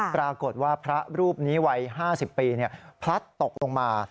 ปรากฏว่าพระรูปนี้วัย๕๐ปีพลัดตกลงมา